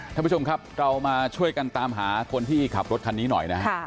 ท่านผู้ชมครับเรามาช่วยกันตามหาคนที่ขับรถคันนี้หน่อยนะฮะ